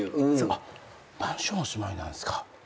あっマンションお住まいなんですか。